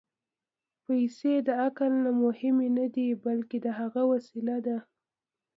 پېسې د عقل نه مهمې نه دي، بلکې د هغه وسیله ده.